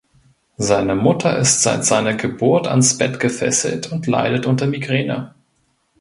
Seine Mutter ist seit seiner Geburt ans Bett gefesselt und leidet unter Migräne.